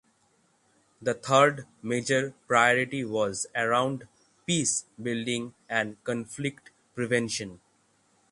The third major priority was around peace building and conflict prevention.